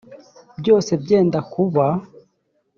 byose byenda kuba